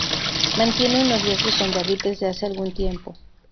Mantiene un noviazgo con David desde hace algún tiempo.